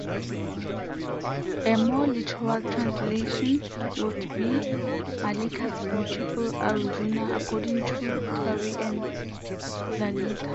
A more literal translationn would be 'Mallika's beautiful Arjuna', according to Tharu and Lalita.